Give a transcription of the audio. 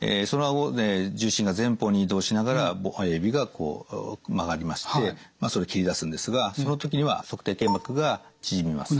重心が前方に移動しながら５本指がこう曲がりましてそれで蹴り出すんですがその時には足底腱膜が縮みます。